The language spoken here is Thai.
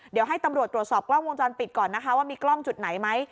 เดี๋ยวให้ตำรวจตรวจสอบกล้องวงจรปิดก่อนนะคะว่ามีกล้องจุดไหนไหม